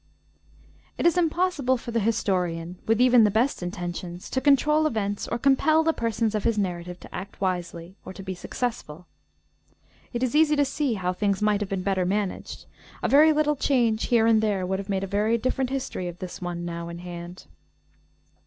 It is impossible for the historian, with even the best intentions, to control events or compel the persons of his narrative to act wisely or to be successful. It is easy to see how things might have been better managed; a very little change here and there would have made a very different history of this one now in hand.